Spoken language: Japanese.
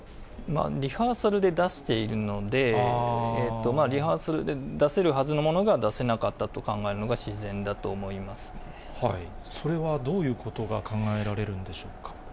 リハーサルで出しているので、リハーサルで出せるはずのものが出せなかったと考えるのが自然だそれはどういうことが考えられるんでしょうか。